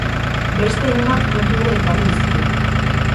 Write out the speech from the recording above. Beste hainbat kontu ere ekarri dizkigu.